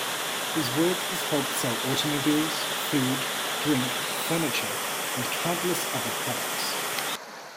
His work has helped sell automobiles, food, drink, furniture and countless other products.